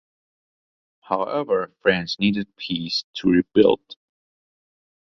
However, France needed peace to rebuild.